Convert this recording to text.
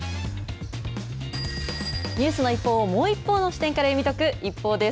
ニュースの一報をもう一方の視点から読み解くＩＰＰＯＵです。